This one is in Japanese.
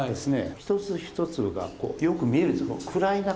一粒一粒がよく見えるんです。